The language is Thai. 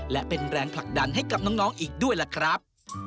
และเป็นแรงผลักดันให้กับน้องอีกด้วยล่ะครับ